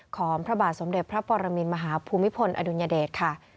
ของพระบาทสมเด็จพระปรมินมหาภูมิพลอดุลยเดชค่ะ